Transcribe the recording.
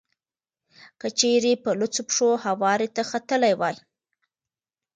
که چېرې په لوڅو پښو هوارې ته ختلی وای.